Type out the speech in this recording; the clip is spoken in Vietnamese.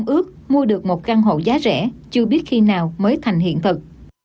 ước mua được một căn hộ giá rẻ chưa biết khi nào mới thành hiện vật